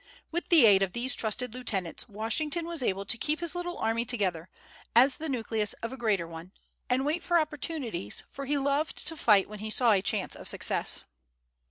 With the aid of these trusted lieutenants, Washington was able to keep his little army together, as the nucleus of a greater one, and wait for opportunities, for he loved to fight when he saw a chance of success.